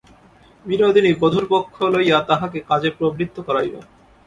বিনোদিনী বধূর পক্ষ লইয়া তাহাকে কাজে প্রবৃত্ত করাইল।